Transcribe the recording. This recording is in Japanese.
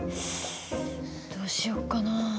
どうしようかな。